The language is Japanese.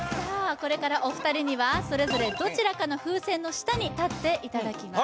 これからお二人にはそれぞれどちらかの風船の下に立っていただきます